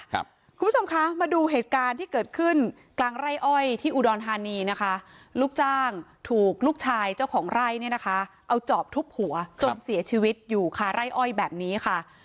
คุณผู้ชมคะมาดูเหตุการณ์ที่เกิดขึ้นกลางไร่อ้อยที่อุดรธานีนะคะลูกจ้างถูกลูกชายเจ้าของไร่เนี่ยนะคะเอาจอบทุบหัวจนเสียชีวิตอยู่ค่ะไร่อ้อยแบบนี้ค่ะ